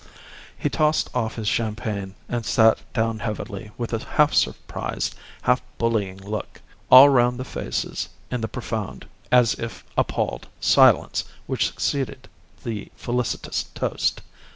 He tossed off his champagne, and sat down heavily with a half surprised, half bullying look all round the faces in the profound, as if appalled, silence which succeeded the felicitous toast.